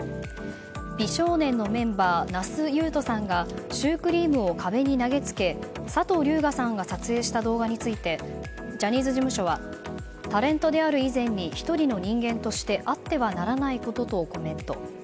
美少年のメンバー那須雄登さんがシュークリームを壁に投げつけ佐藤龍我さんが撮影した動画についてジャニーズ事務所はタレントである以前に１人の人間としてあってはならないこととコメント。